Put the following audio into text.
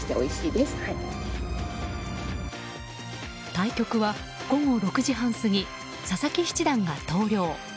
対局は午後６時半過ぎ佐々木七段が投了。